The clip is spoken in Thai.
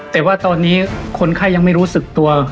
แต่ว่าตอนนี้คนไข้ยังไม่รู้สึกตัว